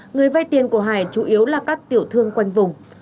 người vay tiền của hải chủ yếu là các tiểu thương quanh vùng